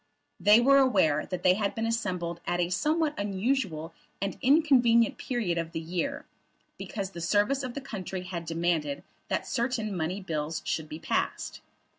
They were aware that they had been assembled at a somewhat unusual and inconvenient period of the year, because the service of the country had demanded that certain money bills should be passed.